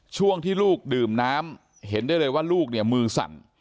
ช่วงที่ลูกดื่มน้ำเห็นได้เลยว่าลูกเนี่ยมือสั่น